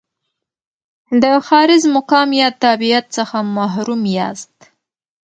د ښاریز مقام یا تابعیت څخه محروم یاست.